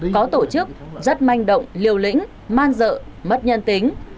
có tổ chức rất manh động liều lĩnh man dợ mất nhân tính